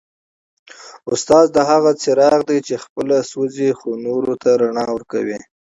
استاد هغه څراغ دی چي خپله سوځي خو نورو ته رڼا ورکوي.